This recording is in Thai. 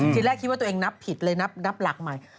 ทีแรกคิดว่าตัวเองนับผิดเลยนับหลักใหม่